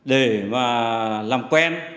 để mà làm quen